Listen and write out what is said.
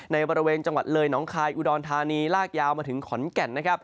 ในบริเวณจังหวัดเลยน้องคายอุดรธานีลากยาวมาถึงขอนแก่นนะครับ